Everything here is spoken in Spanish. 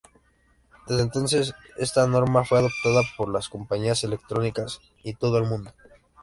Desde entonces, esta norma fue adoptada por las compañías electrónicas de todo el mundo.